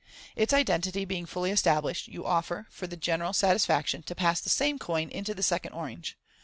Its identity being fully established, you offer, for the general satisfaction, to pass the same coin into the second orange.